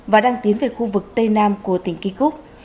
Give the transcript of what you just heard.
và đang tiến về khu vực tây nam của tỉnh kikok